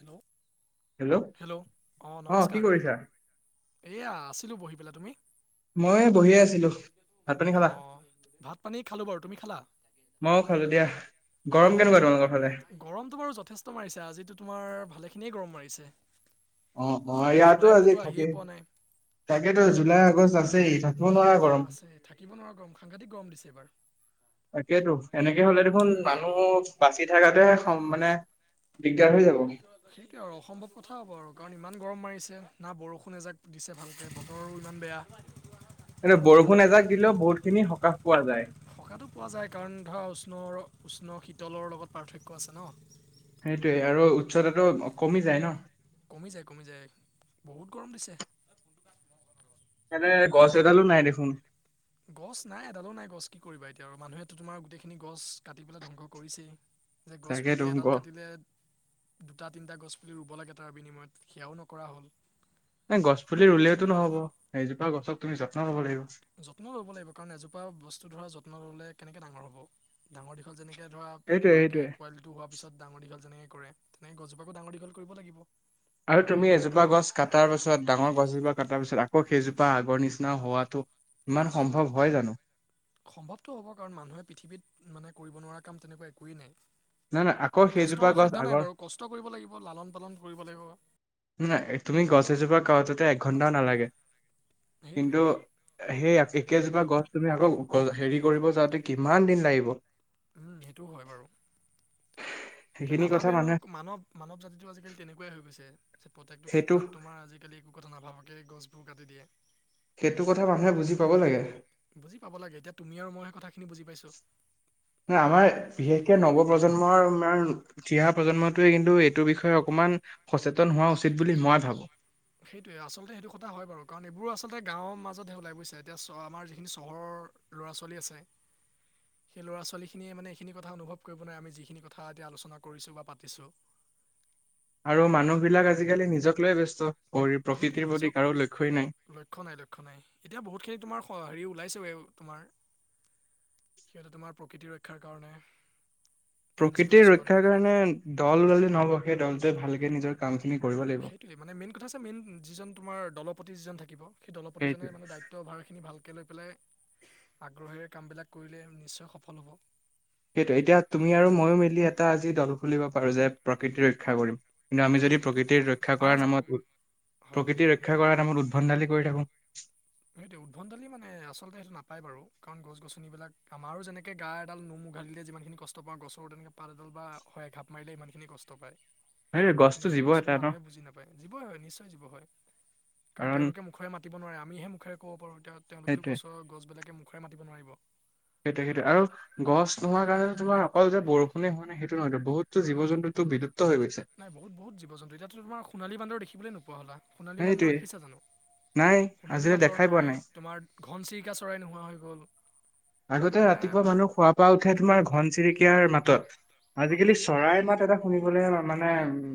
Hello hello অ কি নমস্কাৰ কৰিছা এয়া আছিলো বহি কি ক'লা তুমি। মই বহিয়ে আছিলো। ভাত পানী খালা অহ ভাত পানী খালো বাৰু তুমি খালা। মইও খালো দিয়া গৰম কেনেকুৱা তোমালোকৰ ফালে অহ গৰমতটো বাৰু যথেষ্ট মাৰিছে আজিটো তোমাৰ ভালেখিনি। এনেই গৰম মাৰিছে। অ অ ইয়াতো জুলাই আজি মাহটো আহিয়ে থাকেই পোৱা নাই তাকেতো জুলাই আগষ্ট আছেই থাক আছে থাকিব নোৱাৰা গৰম সাংঘাতিক গৰম দিছে এইবাৰ তাকেইতো এনেকে হলে দেখোন তাকে মানুহ বাচি থকাতে সম মানে দিগদাৰ হৈ যাব সেইটোৱে আউ অসম্ভৱ কথা হ'ব আৰু কাৰণ ইমান গৰম মাৰি ছে না বৰষুণ এজাক দিছে ভালকে বতৰো ইমান বেয়া এনে বৰষুণ এজাক দিলেও বহুত খিনি সকাহ পোৱা যায়। সকাহটো পোৱা যায় কাৰণ ধৰা উষ্ণৰ - উষ্ণ শীতলৰ লগত পাৰ্থক্য আছে ন'? সেইটোৱে আৰু উচ্চতাটো কমি যায় ন। কমি যায়-কমি যায় বহুত গৰম দিছে। এতে গছ এডালো নাই দেখোন। গছ নাই এডালো নাই গছ কি কৰিবা এতিয়া আৰু মানুহেটো তোমাৰ গোটেইখিনি গছ কাটি পেলাই ধ্বংস কৰিছেই। যে গছ তাকেতো পুলি গ এডাল কাটিলে দুটা তিনটা গছ [unintelligible] ৰুব লাগে তাৰ বিনিময়ত সেয়াও নকৰা হ'ল। এ গছ পুলি ৰুলেওেতো নহ'ব এইজোপা গছক তুমি যত্নও ল'ব লাগিব। যত্নও লব লাগিব কাৰণ এজোপা বস্তু ধৰা যত্ন লবলে কেনেকে ডাঙৰ হব ডাঙৰ দীঘল যেনেক তে ধৰা সেইটোয়ে মাকে সেইটোয়ে পোৱালিটো হোৱা পিছত ডাঙৰ দীঘল যেনেকে কৰে তেনেকে গছজোপাকো ডাঙৰ দীঘল কৰিব লাগিব। আৰু তুমি এজোপা গছ কাটাৰ পিছত ডাঙৰ গছ এজোপা কাটাৰ পিছত আ ঔ সেইজোপা আগৰ নিচিনা হোৱাটো ইমান সম্ভৱ হয় জানো? সম্ভৱটো হ'ব কাৰণ মানুহে পৃথিৱীত মানে কৰিব নোৱাৰা কাম তেনেকুৱা একোৱেই নাই। নাই নাই আকৌ সেইজোপা কষ্টৰ গছ অসাধ্য নাই আগৰ বাৰু কষ্ট কৰিব লাগিব লালন - পালন কৰিব লাগিব। নাই তুমি গছ এজোপা কাৰোতেটো একঘণ্টাও ডাঙৰ নালাগে। দীঘল সেইটোৱে কিন্তু সেই একেইজোপা গছ তুমি আকৌ অ, হেৰি কৰিব যাওঁতে কিমান দিন লাগিব। উম, সেইটোও হয় বাৰু। তে সেইখিনি কথা নাভাবে আৰু মানুহে মানৱ-মানৱ জাতিটো আজিকালি তেনেকুৱাই হৈ গৈছে। যে প্ৰত্যেকটো সেইটো ক্ষেত্ৰত তোমাৰ আজিকালি একো কথা নাভাবাকে গছবোৰ কাটি দিয়ে। সেইটো কথা মানুহে বুজি পাব লাগে। বুজি পাব লাগে এতিয়া তুমি আৰু মই সেই কথাখিনি বুজি পাইছো। ন আমাৰ বিশেষকে নৱ প্ৰজন্মৰ প্ৰজন্মটোৱে কিন্তু এইটোৰ বিষয়ে অকমান সচেতন উচিত বুলি মই ভাবো। সেইটোয়ে আচলতে সেইটো কথা হয় বাৰু কাৰণ এইবোৰ আচলতে গাঁৱৰ মাজতহে ওলাই বুজিছে এতিয়া আমাৰ যিখিনি চহৰৰ ল'ৰা ছোৱালী আছে। সেই ল'ৰা ছোৱালীখিনিয়ে মানে এইখিনি কথা অনুভৱ কৰিব নোৱাৰে আমি যিখিনি কথা এতি আলোচনা কৰিছো বা পাতিছোঁ। [inaudible] আৰু মানুহ বিলাক আজিকালি নিজক লৈ ব্যস্ত। কৰি সেইটোয়ে প্ৰকৃতিৰ প্ৰতি নিজক কাৰো লক্ষ্যই নাই। লক্ষ নাই-লক্ষ নাই এতিয়া বহুত খিনি তোমাৰ হেৰি ওলাইছো তোমাৰ সিহঁতে তোমাৰ প্ৰকৃতি ৰক্ষাৰ কাৰণে এন জি অ' প্ৰকৃতিৰ কিছুমান ৰক্ষাৰ কাৰণে দল যে নবহ দলটোৱে ভালকে নিজৰ কাম সেইটোৱে মানে মেইন কথা আছে। মেইন যিজন তোমাৰ দলপতি যিজন থাকিব সেই দলপতিজনে সেইটোৱে মানে দায়িত্বভাৰ। ভালকৈ লৈ পেলাই আগ্ৰহেৰে কামবিলাক কৰিলে নিশ্চয় সফল হ'ব। সেইটোৱে এতিয়া তুমি আৰু ময়ো মিলি এটা আজি দল খুলিব পাৰো যে প্ৰকৃতি ৰক্ষা কৰিম। কিন্তু আমি হয় যদি সেইটো প্ৰকৃতিৰ ৰক্ষা পাৰা কৰাৰ যাব নামত হয় প্ৰকৃতিৰ ৰক্ষা কৰাৰ নামত উদ্ভণ্ডালি কৰি থাকো। সেইটোৱে উদ্ভণ্ডালি মানে আচলতে সেইটো নাপাই বাৰু কাৰণ গছ গছনিবিলাক আমাৰো যেনেকে গা এডাল নোম উঘালিলে যিমান খিনি কষ্ট পাওঁ গছৰ তেনেকে পাত এডাল বা হয় এঘাপ মাৰিলে হিমান খিনি কষ্ট পায়। সেইটোৱে কিন্তু, গছটো সেই জীৱ বস্তুটো এটা ন মানুহে বুজি নাপায়। জীৱই হয়। নিশ্চয় জীৱ হয়। কাৰণ তেওঁলোকে মুখৰে মাব নোৱাৰে আমিহে মুখেৰে ক'ব পাৰো এতিয়া তেওঁলোকেতো সেইটোৱে গছৰ-গছ বিলাকে মুখৰে মাতিব নোৱাৰিব সেইটো-সেইটো আৰু গছ নোহোৱা কাৰণে তোমাৰ অকল যে বৰষুণে হোৱা নাই সেইটো নহয়তো বহুতো জীৱ জন্তুতো বি নাই বহুত বহুত জী জন্তু এতিাতো তোমাৰোণালী বান্দৰ দেখিবলৈ নোপোৱা হলা সোণী সেইটোৱে বান্দৰখিছ জানো? নাই সোণালী আজিলৈ বান্দৰ দেখাই পোৱা নাই, তোমাৰ ঘনচিৰিকা চৰাই নোহোৱা হৈ গল। আগতে মানে ৰাতিপুৱা মানুহ খুৱ পৰা উঠে তোমাৰ ঘন চিৰিক [unintelligible] মাতত মাতত আজিকালি চৰাইৰ মাত এটা শুনিবলে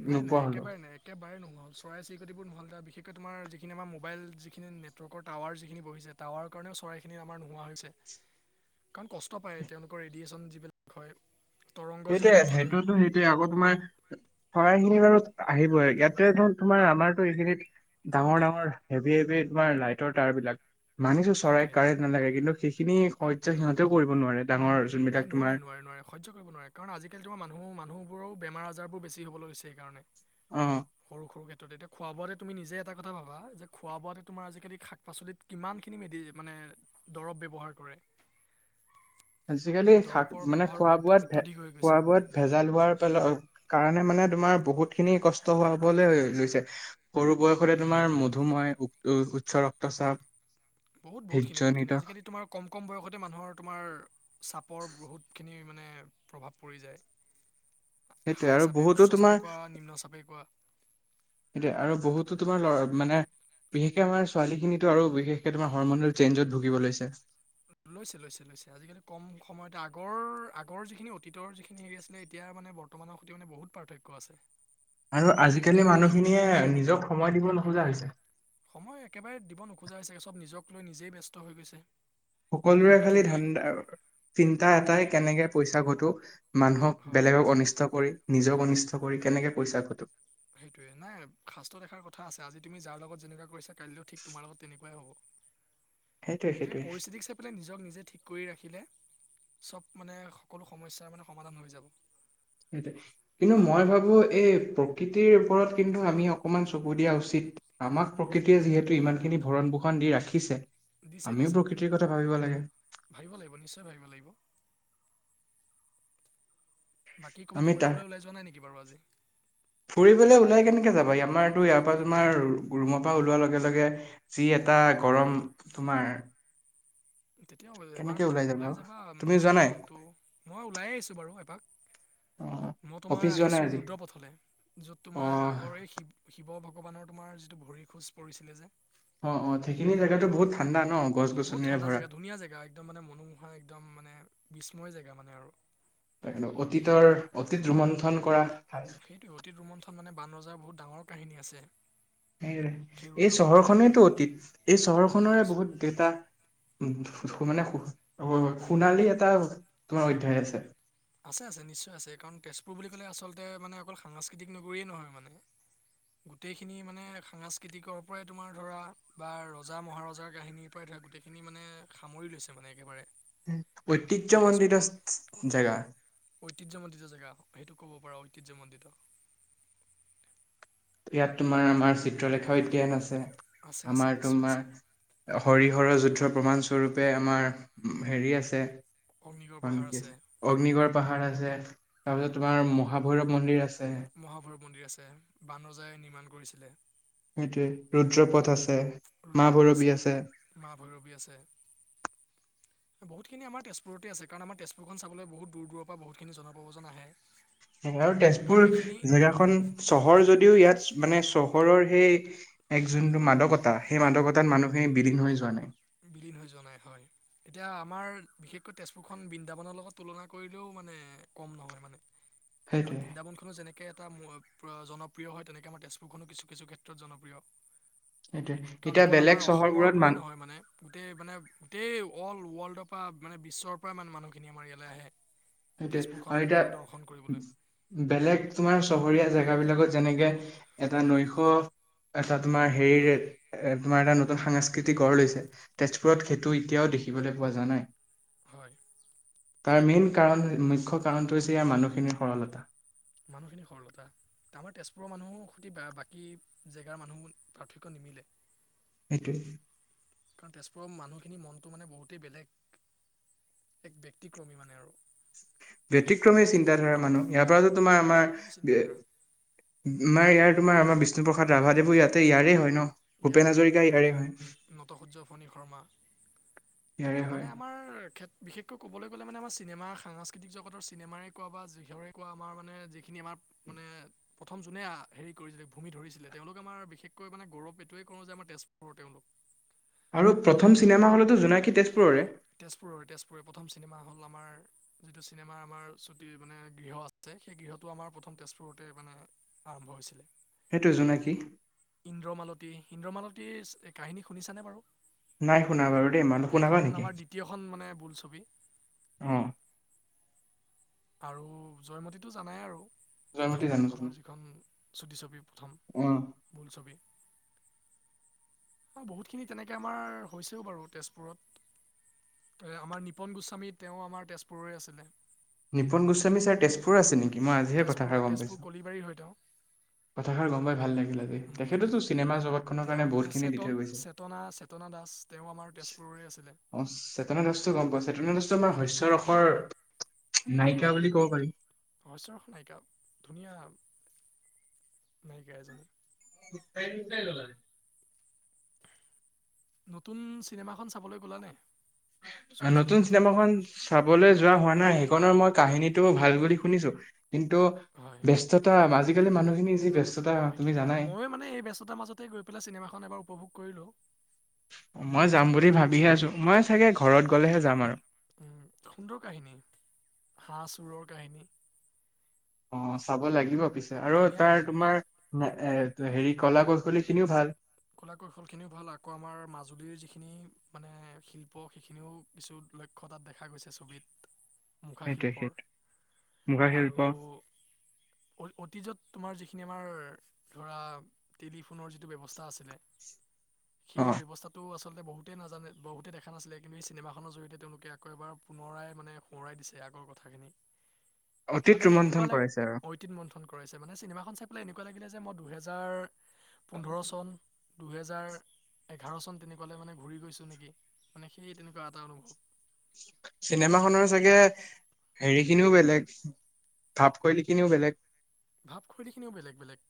নাই-নাই একেবাৰে নাই - একেবাৰে নহল চৰাই চিৰিকটবোৰ নহ'ল তাৰ বিশে বিশেষকৈ তোমাৰ যিখিনি আমাৰ মোবাইল যিখিনি নেটৱৰ্কৰ টাৱাৰ যিখিনি বহিছে টাৱাৰ কাৰণেও চৰাইখিন আমাৰ নোহোৱা হৈছে। কাৰণ কষ্ট পায়, তেওঁলোকৰ ৰেডিয়েচন যিবিলাক হয়। তৰংগ সেইটোয়ে যিবিলাক থাকে সেইটোতো সেইটোয়ে আকৌ তোমাৰ চৰাই [unintelligible] বাৰু আহিবই ইয়াতে তোমাৰ আমাৰতো এইখিনিত ডাঙৰ-ডাঙৰ হেভি-হেভি তোমাৰ লাইটৰ তাঁৰ বিলাক। মানিছো চৰাই সেইটোৱে কাৰেণ্ট নালাগে কিন্তু সেইখিনি সহ্য উম সিহঁতেও কৰিব নোৱাৰে ডাঙৰ নাই যোনবিলাক তোমাৰ নোৱাৰে নোৱাৰে নোৱাৰে সহ্য। কৰিব নোৱাৰে কাৰণ আজিকালিটো মানুহ মানুহবোৰৰ বেমাৰ আজাৰ বেছি হ'ব লৈছে সেইকাৰণে অ, ত' তেতিয়া খোৱা বোৱাতে তুমি নিজে এটা কথা ভাবা যে, খোৱা বোৱাতে তোমাৰ আজিকালি শাক পাচলিত কিমানখিনি মেডি মানে [unintelligible] দৰৱ ব্যৱহাৰ কৰে। আজিকালি শাক দৰৱৰ মানে ব্যৱহাৰো খোৱা অত- বোৱাত ভে অত্যাধিক হৈ খোৱা গৈছে বোৱাত ভেজাল হোৱাৰ কাৰণে মানে। তোমাৰ বহুত খিনি কষ্ট হ'বলৈ লৈছে। সৰু বয়সতে উম, তোমাৰ মধুময় উ উচ্চ ৰক্তচাপ বহুত-বহুত খিনি বহুত খিন হৃদজনিত আজিকালি তোমাৰ কম কম বয়তে মানুহৰ তোমাৰ চাপৰ বহুত মানে প্ৰভাৱ পৰি যায়। সেইটোৱে হাই আৰু চাপে বহুতো উচ্চ তোমাৰ চাপে কোৱা, নিম্ন চাপে কোৱা। সেইটোৱে আৰু বহুতো তোমাৰ লৰা মানে বিশেষকে আমাৰ ছোৱালীখিনিতো আৰু বিশেষকে তোমাৰ হৰমনেল চেঞ্জত ভূগিব লৈছে। লৈছে-লৈছে-লৈছে আজিকালি কম সময়তে আগৰ-আগৰ যিখিনি অতীতৰ যিখিনি হেৰি আছিলে। এতিয়া মানে বৰ্তমানৰ সৈতে মানে বহুত পাৰ্থক্য আছে। আৰু আজিকালি মানুহখিনিয়ে নিজক সময় দিব নোখোজা হৈছে। সময় একেবাৰে দিব নোখোজা হৈছে সব নিজক লৈ নিজেই ব্যস্ত হৈ গৈছে। যে সকলোৰে খালি পৃথিৱী ধানদা চিন্তা উম। এটাই কেনেকে পইচা ঘটো মানুহক হয় বেলেগক অনিষ্ট কৰি নিজক অনিষ্ট কৰি কেনেকে পইচা ঘটো। সেইটোৱে নাই শাস্ত্ৰত এষাৰ কথা আছে আজি তুমি যাৰ লগত যেনেকুৱা কৰিছা কাইলৈও ঠিক তোমাৰ লগত তেনেকুৱাই হ'ব। সেইটোৱে গতিকে সেইটোৱে পৰিস্থিতিক চাই পেলাই নিজক নিজে ঠিক কৰি ৰাখিলে। চব মানে সকলো সমস্যাৰ মানে সমাধান হৈ যাব। সেইটোৱে কিন্তু মই ভাবো এই প্ৰকৃতিৰ ওপৰত কিন্তু আমি অকমান চকু দিয়া উচিত। আমাক প্ৰকৃতিয়ে যিহেতু ইমান হয় হয় খিনি ভৰণ পোষণ দি ৰাখিছে। দিছে আমিও দিছে অ প্ৰকৃতিৰ কথা ভাবিব লাগে ভাবিব লাগিব নিশ্চয় ভাবিব লাগিব। বাকী ক'ৰবাত ফুৰিবলৈ ওলাই যোৱা নাই নেকি বাৰু আজি। ফুৰিবলে ওলাই কেনেকে যাবা ই আমাৰতো ইয়াৰ পৰা তোমাৰ ৰূমৰ পৰা ওলোৱাৰ লগে লগে যি এটা গৰম তোমাৰ। তেতিয়া এবাৰ ওলাই যাবা তুমি যোৱা নিজৰ নাই মনতটো মই ওলাইে আহিছো বাৰু এপাক। অ মই অফিচ তোমাৰ যোৱা নাই আহিছো আজি ৰুদ্ৰ পথলে যত তোমাৰ অ', আগৰে শিৱ শিৱ ভক্ত। ভগৱানৰ তোমাৰ যিটো ভৰি খোজ পৰিছিলে যে অ অ সেইখিনি জোগাাতো বহুত ঠাণ্ডা ন গছ বহুত গছনি ঠাণ্ডা জেগা ধুনীয়া জেগা একদম মানে মনোমোহা একদম মানে বিস্ময় জেগা মানে আৰু ত অতীতৰ অতীত ৰোমন্থন কৰা ঠাই সেইটোৱে অতীত ৰৰুমন্থন মানে বান ৰজাৰ বহুত ডাঙৰ কাহিনী আছে সেই এই ৰুদ্ৰপথখনক লৈ চহৰখনেইতো অতীত এই চহৰখৰে সেইটোৱে চ' বহুত দেটা উম সো মানে সোণালী এটা তোমাৰ অধ্যায় আছে। আছে আছে নিশ্চয় আছে কাৰণ তেজপুৰ বুলি ক'লে আচলতে মানে অকল সাংস্কৃতিক নগৰৰীয়ে নহয় মানে। গোটেইখিনি মানে সাংস্কৃতিকৰ পৰাই তোমাৰ ধৰা বা ৰজা মহাৰজাৰ কাহিনীৰ পৰাই ধৰা। এ গোটেইখিনি মানে সামৰি লৈছে মানে একেবাৰে। ঐতিহ্য আৰু মণ্ডিত তেজপুৰ জেগা। ঐতিহ্যমণ্ডিত জেগা সেইটো ক'ব পাৰা ঐতিহ্যমণ্ডিত। ইয়াত তোমাৰ আমাৰ চিত্ৰলেখাও অদ্যান আছে আছে আছে আমাৰ নিশ্চয় আছে তোমাৰ হৰিহৰ যুদ্ধৰ প্ৰমাণ স্বৰূপে আমাৰ হেৰি আছে অ কাৰ কি আছে অগ্নিগড় পাহাৰ আছে উম। তাৰপিছত তোমাৰ মহাভৈৰৱ মন্দিৰ আছে বানজাই নিৰ্মাণ কৰিছিলে সেইটোোৱে ৰুদ্ৰ পথ আছে মা ৰুদ্ৰপদ ভৈৰৱী আছে মা ভৈৰৱী আছে বহুতখিনি আমাৰ তেজুৰতে আছে কাৰণ আমাৰ তেজপুৰখনাবলৈ বহুত দূৰ দূৰ পৰা বহুতখিনি জনপ্ৰজন আহে আৰু তেজপুৰ কাৰণ এইখিনি জেগাখন চহৰ যদিও ইয়াত মানে চহ ঘৰৰ সেই এক যোনটো মাদকতা সেই মাদকতাত অঁ মানুহখিনি বিলীন হৈ যোৱা নাই বিলীন হৈ জাই হয় এতিয়া আমাৰ বিশেষকৈ তেজপুৰখন বৃন্দাবনৰ লগত তুলনা কৰিলেও মানে কম নহয় মানে কাৰণ সেইটোৱে বৃন্দাবন খো যেনেকে ে এটা জনপ্ৰিয় হয় তেনেকে আমাৰ তেজপুৰখনো কিছু কিছু ক্ষেত্ৰত জনপ্ৰিয় সটোোৱ কাৰণ এতিয়া অকল আমাৰ বেলেগ অসমৰ চহৰবোৰত বুলিয়ে মান নহয় মানে মানে গোটেই অল ৱৰ্ল্ডৰ পৰা মানে বিশ্বৰ পৰা ইে মানুহখিনি আমাৰ ইয়ালৈ আহে সেইটোয়ে তেজপুৰখন আৰু দৰ্শন কৰিবলৈ এতিয়া বেলেগ তোমাৰ চহৰীয়া জেগ বিলাকত যেনেকৈ এটা নৈশ এটা তোমাৰ হেৰি হয় তোমাৰ এটা নতুন সাংস্কৃতিক গঢ় লৈছে তেজপুৰত সেইটো এতিয়াও দেখিবলৈ পোৱা যোৱা নাই হয় তাৰ মেইন কাৰণ মুখ্য কাৰণটো হৈছে ইয়াৰ মানুহখিনিৰ সৰলতা মানুহখিনি সৰলতা আমাৰ তেজপুৰৰ মানুহো সতি বাকী জেগাৰ মানুহ পাৰ্থক্্য মিলে সেইটোৱেই। কাৰণ তেজপুৰৰ মানুহখিনি, মনটো মানে বহুতেই বেয়া। এক ব্যক্তিক্ৰমী মানে আৰু ব্যক্তিক্ৰমী চিন্তাধাৰা মানুহ, সিহতৰ পৰা যে, তোমাৰ সেইটোৱে আমাৰ, ব্যক্তিক্ৰমী চিন্তাধাৰা আমাৰ ইয়াৰ তোমাৰ আমাৰ বিষ্ণপ্ৰসাদ ৰাভাদেৱো ইয়াতে, ইয়াৰে হয় ন। [inaudible] ভূপেন হাজৰিকা ইয়াৰে হয় ইয়াৰে হয় মানে আমাৰ বিশেষকৈ ক'বলৈ গ'লে, মানে আমাৰ চিনেমা সাংস্কৃতিক জতৰ, চিনেমাৰে কোৱা বা যিহৰে কোৱা, আমাৰ মানে যিখিনি আমাৰ মানে প্ৰথম, যোনে হেৰি কৰিছিলে ভূমি ধৰিছিলে তেওঁলোকে আমাৰ বিশেষকৈ মানে গৌৰৱ। এইটোৱে কৰো যে আমাৰ তেজপুৰৰ তেওঁলোক। আৰু প্ৰথম চিনেমা হলতো জোনাকী তেজপুৰৰে। তেজপুৰৰে, তেজপুৰৰে প্ৰথম চিনেমা হল আমাৰ দৃতিওটো চিনেমা আমাৰ। সেই গৃহটো আমাৰ প্ৰথম তেজপুৰতে মানে আৰম্ভ হৈছিলে। সেইটো জোনাকি। ইন্ত্ৰমালতীৰ কাহিনী শুনিছানে বাৰু? নাই শুনা বাৰু দেই মানুহ শুনাবা নেকি? তীতৃযখন মানে, বোল ছবিত। অ আৰু জয়মতীতটো জানাই আৰু, জয়মতী প্ৰথম জানো জানো আমাৰ যিখন চুটি ছবি। অ বোলছবি। অঁ, বহুতখিনি তেনেকে আমাৰ হৈছেও বাৰু তেজপুৰত। আমাৰ নিপন গোস্বামী তেওঁ আমাৰ তেজপুৰৰে আছিলে। নিপুন গোস্বামী ছাৰ তেজপুৰ আছে নেকি, মই আজিহে তেজপুৰৰ কথাষাৰ গম তেজপুৰ পাইছোঁ। কলিবাৰীৰ হয় তেওঁ কথাষাৰ গম পাই ভাল লাগিলে আজি, উম, তেখেততো চিনেমা জগতখনৰ তেওঁ কাৰণে তাৰপিছত বহুতখিনি দি চেতন থৈ গৈছে। চেতনা চেতনা দাস তেওঁ আমাৰ তেজপুৰৰে আছিলে অ, চেতনা দাসটো গম পোৱা, চেতনা দসটো আমাৰ শস্য চ অফৰ অ, সমচৰখন নাইিকা ধুনীয়া। কাইজনানাই ফিতকাৰি কোনে জ্বলালে নতুন চিনেমাখন চাবলৈ গ'লা নে? নতুন চিনেমাখন চাবলৈ যোৱা হোৱা নাই, সেইখনৰ মই কাহিনীটো ভাল বুলি শুনিছো, কিন্তু হয় ব্যস্ততা আজিকালি মানুহখিনি যি ব্যস্ত মিঠ আৰু ময়ো মানে এই ব্যস্ততাৰ মাজতে গৈ পেলাই চিনেমাখন এবাৰ উপভোগ কৰিলোঁ। মই যাম বুলি ভাবিহে আছো, মই চাগে ঘৰত গলেহে যাম আৰু। উম, সুন্দৰ কাহিনী, হাঁহ চোৰৰ কাহিনী। অ, চাব লাগিব পিছে আৰু ধুনীয়া তাৰ কাহিনী তোমাৰ এ, হেৰি কলা কৌশলী খিনিও ভাল। কলা কৌশলীখিনিও ভাল, আকৌ আমাৰ মাজুলীৰ যিখিনি মানে শিল্প সেইখিনিও কিছু লক্ষ্যতাত দেখা গৈছে ছবিত। সেইটোৱে মুখাশিল্পৰ সেইটো মুখা আৰু শিল্প ঐ-অতীজত তোমাৰ যিখিনি আমাৰ ধৰা টেলিফোনৰ যিটো ব্যৱস্থা আছিলে‌, অ সেই ব্যৱস্থাটো আচ আচলতে বহুতেই নাজানে বহুতে দেখা নাছিলে, কিন্তু এই চিনেমাখনৰ জৰিয়তে তেওঁলোকে আকৌ এবাৰ, পুৰাই মানে সোঁৱই দিছে। ঘৰ কথাখিনি। অতীত ৰৰুমন্থন কৰাইছে আৰু। কৰিছে মানে, চিনেমাখন চাই এনেকুৱা লাগিলে যে মই দুইহেজাৰ পোন্ধৰ চনত। দুহেজাৰ এঘাৰ চন তেনেকুৱালৈ মানে ঘূৰি গৈছো নেকি, মানে সেই তেনেকুৱা এটা অনুভৱ। চিনেমাখনৰ চাগে, হেৰি খিনিও বেলেগ। ভাপ কৈলিখিনিও বেলেগ। ভাৱ খৈলীখিনিও বেলেগ বেলেগ।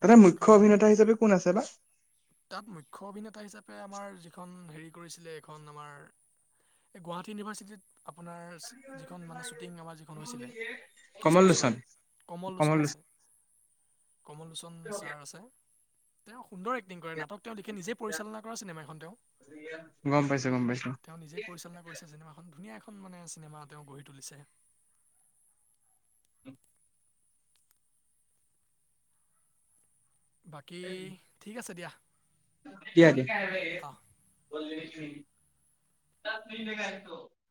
তাতে মুখ্য কাৰণ অভিনেতা হিচাপে কোন আছে বা তাত মুখ্য অভিনেতা হিচাপে আমাৰ যিখন হেৰি কৰিছিলে এখন আমাৰ এই গুৱাহাটী ইউনিভাৰ্চিটিত আপোনাৰ যিখন মানে শ্বুটিং আমাৰ যিখন হৈছিলে, কমল লোচন কৃষ্ণচূড়া কমল লোচন আছে। [inaudible] কমল লোচন ছাৰ আছে, তেওঁ সুন্দৰ এক কৰে নাটক তেওঁ লিখে নিজে পৰিচালনা কৰা চিনেমা এখন তেওঁ। গম পাইছো গম পাইছো তেওঁ নিজেই পৰিচালনা কৰিছে চিনেমাখন, ধুনীয়া এখন মানে চিনেমা তেওঁ গঢ়ি তুলিছে। বাকী ঠিক আছে দিয়া অহ [inaudible] তাত মিননে গ